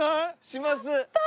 します！